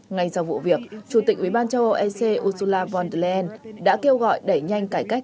ngay sau vụ việc chủ tịch ubnd châu âu ec ursula von der leyen đã kêu gọi đẩy nhanh cải cách